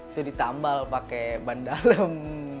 itu ditambal pakai ban dalam